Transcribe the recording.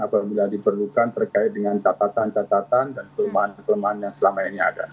apabila diperlukan terkait dengan catatan catatan dan kelemahan kelemahan yang selama ini ada